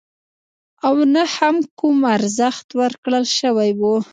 او نه هم کوم ارزښت ورکړل شوی وو.